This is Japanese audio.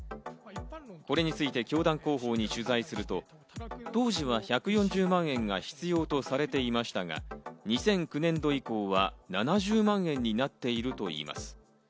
これについて教団広報に取材すると、当時は１４０万円が必要とされていましたが、２００９年度以降は７０万円になっているといいます。